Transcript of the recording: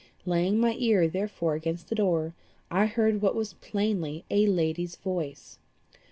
Laying my ear therefore against the door, I heard what was plainly a lady's voice.